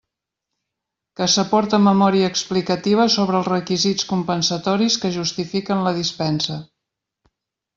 Que s'aporte memòria explicativa sobre els requisits compensatoris que justifiquen la dispensa.